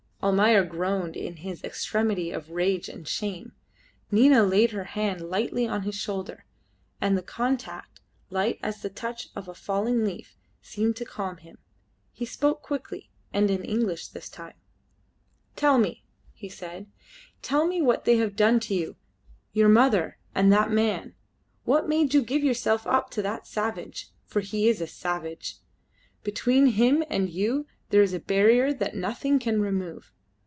Almayer groaned in his extremity of rage and shame. Nina laid her hand lightly on his shoulder, and the contact, light as the touch of a falling leaf, seemed to calm him. He spoke quickly, and in English this time. "Tell me," he said "tell me, what have they done to you, your mother and that man? What made you give yourself up to that savage? For he is a savage. Between him and you there is a barrier that nothing can remove.